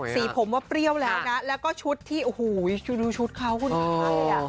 สีผมว่าเปรี้ยวแล้วนะแล้วก็ชุดที่โอ้โหดูชุดเขาคุณภาพเลยอ่ะ